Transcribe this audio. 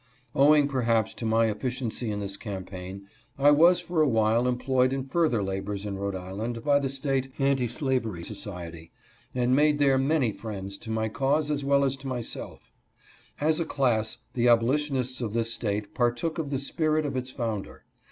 ^ /Owirfg perhaps to my efficiency in this campaign I was for awhile employed in further labors in Rhode Island by the State Anti Slavery Society, and made there many friends to my cause as well as to myself As a class the abolitionists of this State partook of the spirit of its founder.